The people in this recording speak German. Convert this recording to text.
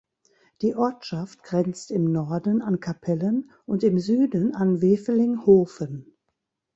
Die Ortschaft grenzt im Norden an Kapellen und im Süden an Wevelinghoven.